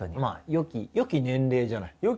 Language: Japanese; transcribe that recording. よき年齢じゃない。